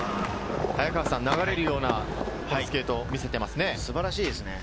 流れるようなスケートを見せていますね。